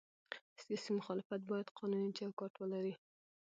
سیاسي مخالفت باید قانوني چوکاټ ولري